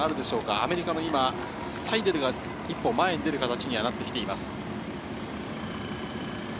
アメリカのサイデルが一歩前に出る形になってきています。